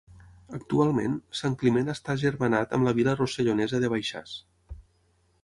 Actualment, Sant Climent està agermanat amb la vila rossellonesa de Baixàs.